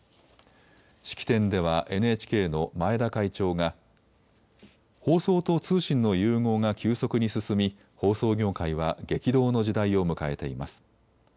式典ではＮＨＫの前田会長が放送と通信の融合が急速に進み放送業界は激動の時代を迎えています。